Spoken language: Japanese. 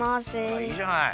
あっいいじゃない。